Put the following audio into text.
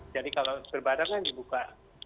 jadi kalau berbarengan dibuka